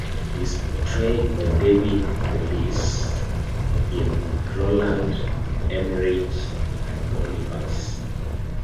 He is portrayed by David Thewlis in Roland Emmerich's "Anonymous".